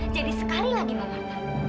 jadi sekali lagi mbak marta